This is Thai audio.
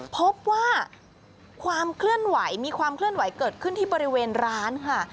พบว่าความเคลื่อนไหวมีความเคลื่อนไหวเกิดขึ้นที่บริเวณร้านค่ะ